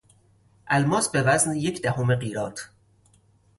الماس به وزن یک دهم قیراط